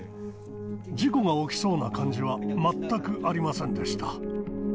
事故が起きそうな感じは全くありませんでした。